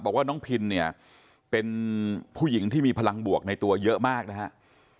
บอกว่าน้องพินเนี่ยเป็นผู้หญิงที่มีพลังบวกในตัวเยอะมากนะครับ